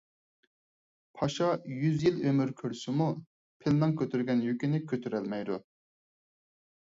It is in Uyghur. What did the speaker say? پاشا يۈز يىل ئۆمۈر كۆرسىمۇ، پىلنىڭ كۆتۈرگەن يۈكىنى كۆتۈرەلمەيدۇ.